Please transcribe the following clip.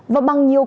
và bằng nhiều cách